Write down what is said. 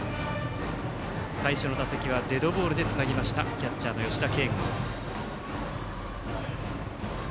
最初の打席はデッドボールでつないだキャッチャーの吉田慶剛。